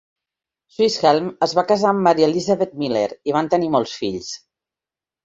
Swisshelm es va casar amb Mary Elizabeth Miller, i van tenir molts fills.